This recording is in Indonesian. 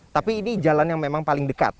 tapi ini jalan yang memang paling dekat